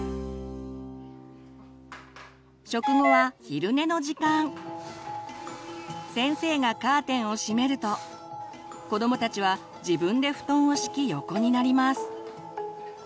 食後は先生がカーテンをしめると子どもたちは自分で布団を敷き横になります。